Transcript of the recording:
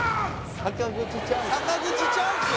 坂口チャンス？